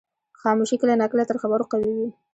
خاموشي کله ناکله تر خبرو قوي وي.